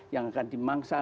yang akan dimangsa